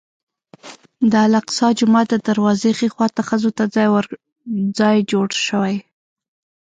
د الاقصی جومات د دروازې ښي خوا ته ښځو ته ځای جوړ شوی.